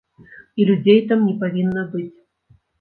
І людзей там не павінна быць.